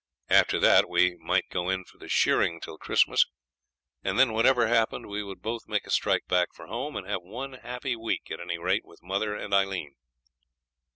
After that we might go in for the shearing till Christmas, and then whatever happened we would both make a strike back for home, and have one happy week, at any rate, with mother and Aileen.